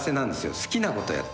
好きなことやってるから。